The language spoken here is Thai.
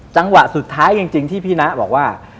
จังหวะสุดท้ายจริงที่พี่นะบอกว่า